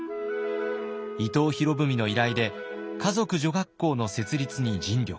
伊藤博文の依頼で華族女学校の設立に尽力。